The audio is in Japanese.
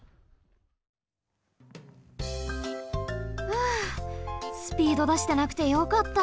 ふうスピードだしてなくてよかった。